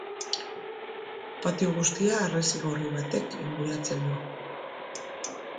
Patio guztia harresi gorri batek inguratzen du.